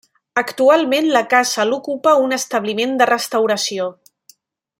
Actualment la casa l'ocupa un establiment de restauració.